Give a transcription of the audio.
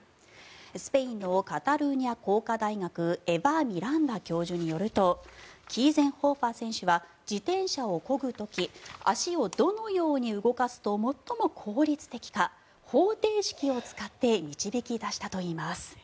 スペインのカタルーニャ工科大学エヴァ・ミランダ教授によるとキーゼンホーファー選手は自転車をこぐ時足をどのように動かすと最も効率的か、方程式を使って導き出したといいます。